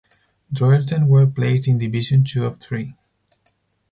Droylsden were placed in Division Two of three.